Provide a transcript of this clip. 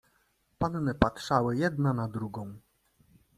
"Panny patrzały jedna na drugą."